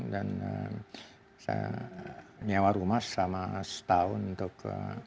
dan saya meyewa rumah selama setahun untuk